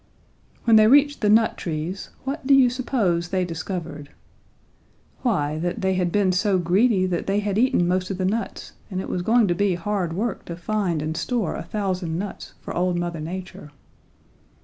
"When they reached the nut trees, what do you suppose they discovered? Why, that they had been so greedy that they had eaten most of the nuts and it was going to be hard work to find and store a thousand nuts for old Mother Nature.